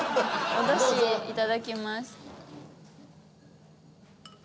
おだしいただきます。